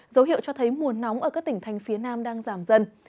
dấu hiệu cho thấy mùa nóng ở các tỉnh thành phía nam đang giảm dần